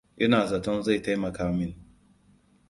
Ina zaton zai taimaka min.